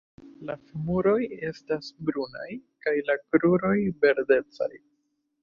La femuroj estas brunaj kaj la kruroj verdecaj.